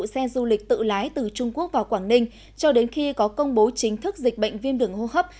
xe du lịch tự lái từ trung quốc vào quảng ninh cho đến khi có công bố chính thức dịch bệnh viêm đường hô hấp